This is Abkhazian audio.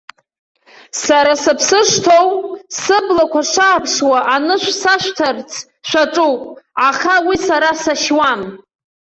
Сара сыԥсы шҭоу, сыблақәа шааԥшуа анышә сашәҭарц шәаҿуп, аха уи сара сашьуам.